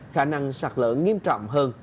khả năng xạc lỡ nghiêm trọng hơn